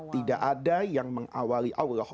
tidak ada yang mengawali allah